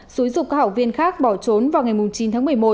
xúi dục các học viên khác bỏ trốn vào ngày chín tháng một mươi một